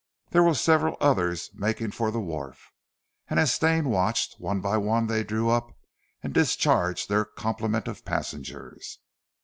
There were several others making for the wharf, and as Stane watched, one by one they drew up, and discharged their complement of passengers.